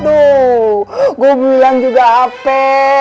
aduh gua bilang juga apa